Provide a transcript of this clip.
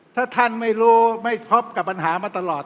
ถ้าท่านไม่รู้ไม่ท็อปกับปัญหามาตลอด